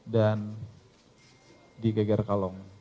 dan di geger kalong